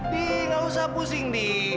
nih gak usah pusing nih